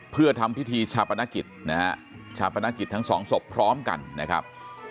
เพื่อทำพิธีชาปนกิจนะฮะชาปนกิจทั้งสองศพพร้อมกันนะครับ